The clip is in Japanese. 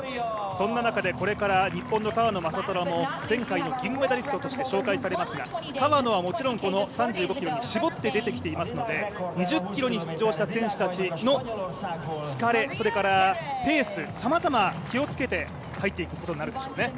そんな中でこれから日本の川野将虎も前回の銀メダリストとして紹介されますが、川野はもちろん、この３５ｋｍに絞って出てきていますので２０ｋｍに出場した選手たちの疲れ、それからペースさまざま気をつけて入っていくことになるでしょうね。